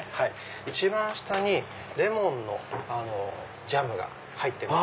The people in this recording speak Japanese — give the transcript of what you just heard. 一番下にレモンのジャムが入ってございます。